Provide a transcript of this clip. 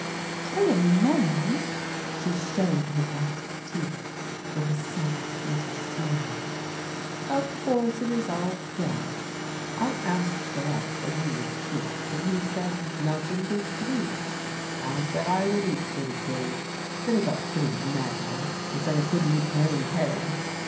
" Kill a man !" She showed her white teeth with a savage little smile. '' Of course it is all guess, I asked Farette what he would shoot, and he said, ' Nothing good to eat.' I said I would eat what he killed. Then he got pretty mad, and said I couldn't eat my own head.